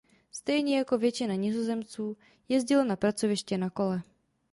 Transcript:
Stejně jako většina Nizozemců jezdil na pracoviště na kole.